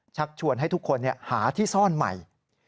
ชักชวนให้ทุกคนหาที่ซ่อนใหม่